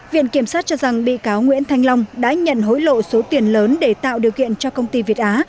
viện kiểm sát cho rằng bị cáo nguyễn thanh long đã nhận hối lộ số tiền lớn để tạo điều kiện cho công ty việt á